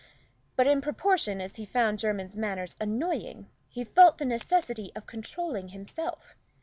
But in proportion as he found Jermyn's manners annoying, he felt the necessity of controlling himself.